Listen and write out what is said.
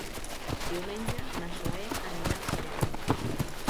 Diumenge na Zoè anirà al cinema.